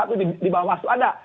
itu di bawah itu ada